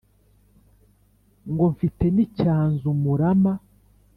ngo mfite n'icyanzu murama.